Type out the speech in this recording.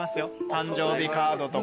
誕生日カードとか。